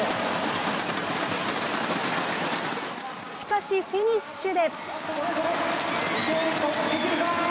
しかし、フィニッシュで。